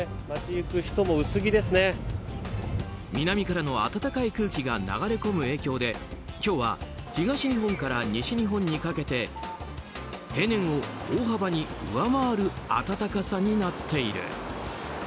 南からの暖かい空気が流れ込む影響で今日は東日本から西日本にかけて平年を大幅に上回る暖かさになっている。